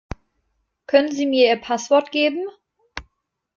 Können sie mir ihr Passwort geben?